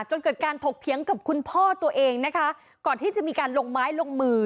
จนเกิดการถกเถียงกับคุณพ่อตัวเองนะคะก่อนที่จะมีการลงไม้ลงมือ